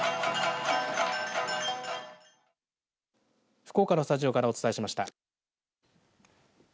福岡のスタジオからお伝えしました。